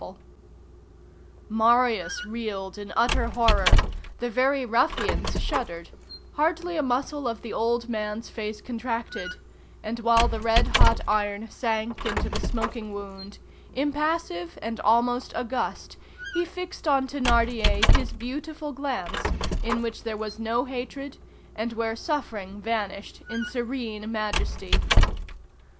[Illustration: Red Hot Chisel] Marius reeled in utter horror, the very ruffians shuddered, hardly a muscle of the old man's face contracted, and while the red hot iron sank into the smoking wound, impassive and almost august, he fixed on Thénardier his beautiful glance, in which there was no hatred, and where suffering vanished in serene majesty.